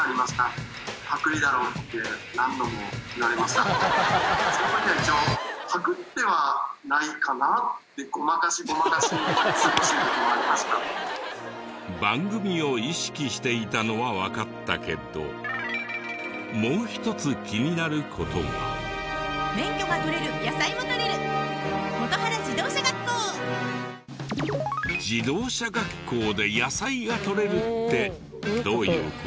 その時は一応番組を意識していたのはわかったけど自動車学校で野菜が採れるってどういう事？